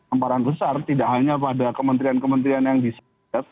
amparan besar tidak hanya pada kementrian kementrian yang disiapkan